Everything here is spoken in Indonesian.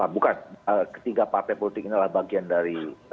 bukan ketiga partai politik ini adalah bagian dari